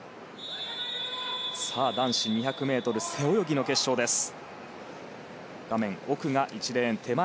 男子２００ｍ背泳ぎの決勝です。